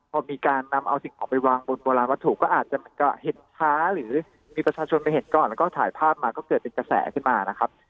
พอมีการนำเอาสิ่งของไปวางบนโบราณวัตถุก็อาจจะเหมือนกับเห็นช้าหรือมีประชาชนไปเห็นก่อนแล้วก็ถ่ายภาพมาก็เกิดเป็นกระแสขึ้นมานะครับ